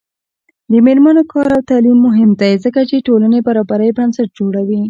د میرمنو کار او تعلیم مهم دی ځکه چې ټولنې برابرۍ بنسټ جوړوي.